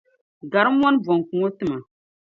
Gari mɔni bɔnku ŋɔ tima.